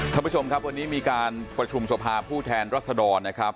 ท่านผู้ชมครับวันนี้มีการประชุมสภาผู้แทนรัศดรนะครับ